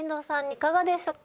いかがでしょうか？